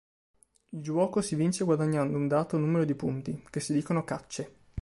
Il giuoco si vince guadagnando un dato numero di punti, che si dicono cacce.